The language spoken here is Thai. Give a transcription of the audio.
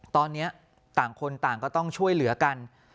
ตอนนี้ต่างคนต่างก็ต้องช่วยเหลือกัน